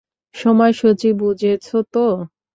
সময়সূচী বুঝেছ তো?